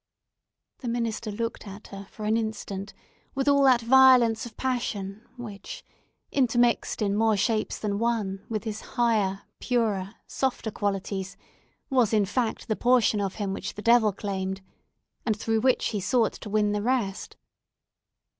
The minister looked at her for an instant, with all that violence of passion, which—intermixed in more shapes than one with his higher, purer, softer qualities—was, in fact, the portion of him which the devil claimed, and through which he sought to win the rest.